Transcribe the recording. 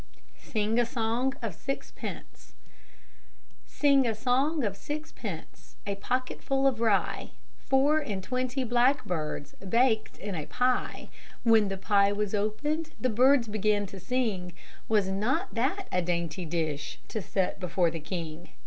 SING A SONG OF SIXPENCE Sing a song of sixpence, A pocket full of rye; Four and twenty blackbirds Baked in a pie! When the pie was opened The birds began to sing; Was not that a dainty dish To set before the king?